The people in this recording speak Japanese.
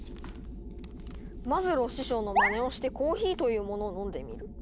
「マズロー師匠のまねをしてコーヒーというものを飲んでみる。